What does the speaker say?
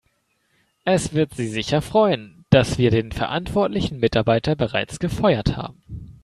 Es wird Sie sicher freuen, dass wir den verantwortlichen Mitarbeiter bereits gefeuert haben.